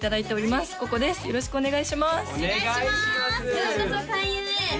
ようこそ開運へ！